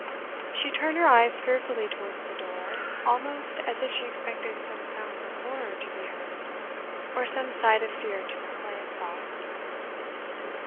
She turned her eyes fearfully towards the door, almost as if she expected some sounds of horror to be heard, or some sight of fear to display itself.